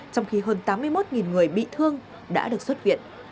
trong khi hơn tám mươi một người bị thương đã được xuất viện